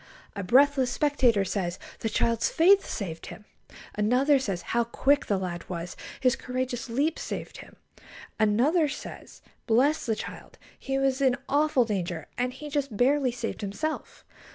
A breathless spectator says: "The child's faith saved him." Another says: "How quick the lad was! His courageous leap saved him." Another says: "Bless the child! He was in awful danger, and he just barely saved himself."